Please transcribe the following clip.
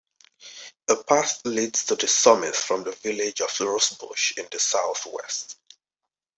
A path leads to the summit from the village of Rosebush in the south-west.